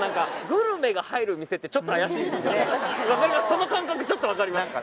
その感覚ちょっと分かります